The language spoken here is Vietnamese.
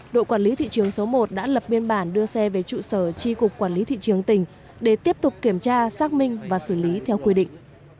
đội quản lý thị trường số một đã lập biên bản đưa xe về trụ sở tri cục quản lý thị trường tỉnh để tiếp tục kiểm tra xác minh và xử lý theo quy định